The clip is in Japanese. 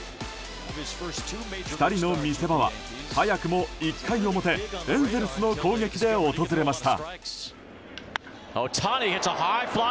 ２人の見せ場は、早くも１回表エンゼルスの攻撃で訪れました。